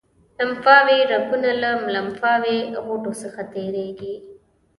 لمفاوي رګونه له لمفاوي غوټو څخه تیریږي.